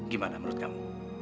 gimana menurut kamu